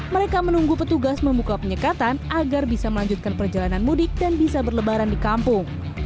mereka menunggu petugas membuka penyekatan agar bisa melanjutkan perjalanan mudik dan bisa berlebaran di kampung